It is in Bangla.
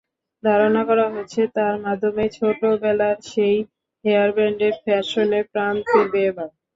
ধারণা করা হচ্ছে, তাঁর মাধ্যমেই ছোটবেলার সেই হেয়ারব্যান্ডের ফ্যাশনে প্রাণ ফিরবে এবার।